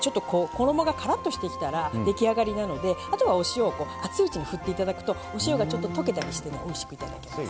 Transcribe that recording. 衣がカラッとしてきたら出来上がりなのであとはお塩を熱いうちに振っていただくとお塩がちょっと溶けたりしてねおいしく頂けます。